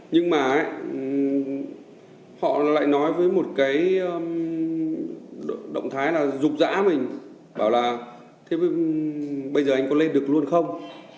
nhưng mà họ lại nói với một cái động thái là rục rã mình bảo là bây giờ anh có lên được luôn không